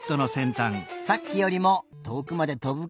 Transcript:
さっきよりもとおくまでとぶかな？